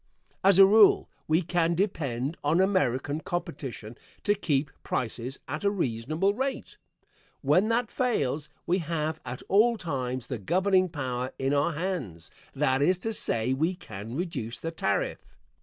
As a rule we can depend on American competition to keep prices at a reasonable rate. When that fails we have at all times the governing power in our hands that is to say, we can reduce the tariff.